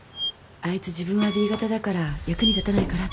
あいつ「自分はＢ型だから役に立たないから」